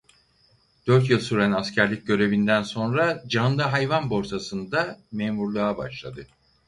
Dört yıl süren askerlik görevinden sonra Canlı Hayvan Borsası'nda memurluğa başladı.